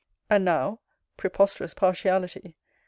And now [preposterous partiality!